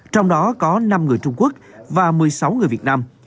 trong đó có năm người trung quốc và một mươi sáu người việt nam